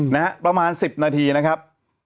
นะฮะประมาณ๑๐นาทีนะครับ